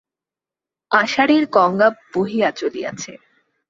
আষাঢ়ের গঙ্গা বহিয়া চলিয়াছে।